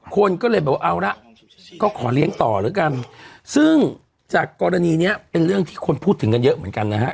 คนก็เลยบอกว่าเอาละก็ขอเลี้ยงต่อแล้วกันซึ่งจากกรณีนี้เป็นเรื่องที่คนพูดถึงกันเยอะเหมือนกันนะฮะ